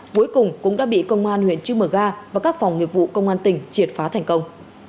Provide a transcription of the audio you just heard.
cuối cùng cũng đã bị công an huyện trư mờ ga và các phòng nghiệp vụ công an tỉnh triệt phá thành công